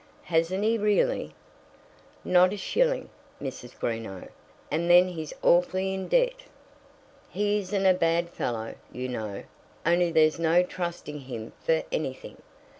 "Hasn't he really?" "Not a shilling, Mrs. Greenow; and then he's awfully in debt. He isn't a bad fellow, you know, only there's no trusting him for anything."